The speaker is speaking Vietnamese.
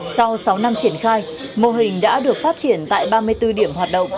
sau sáu năm triển khai mô hình đã được phát triển tại ba mươi bốn điểm hoạt động